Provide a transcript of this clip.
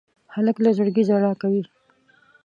هلک له زړګي ژړا کوي.